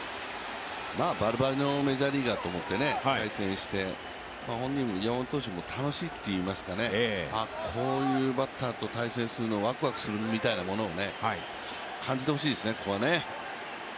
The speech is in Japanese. バリバリのメジャーリーガーと思って対戦して本人、山本投手も楽しいといいますか、こういうバッターと対戦するのワクワクするみたいなものを感じて欲しいですね。